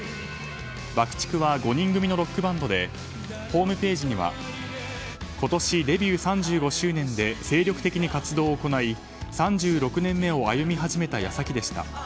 ＢＵＣＫ‐ＴＩＣＫは５人組のロックバンドでホームページには今年デビュー３５周年で精力的に活動を行い３６年目を歩み始めた矢先でした。